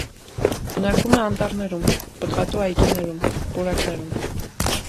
Բնակվում է անտառներում, պտղատու այգիներում, պուրակներում։